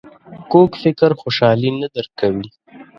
کوږ فکر خوشحالي نه درک کوي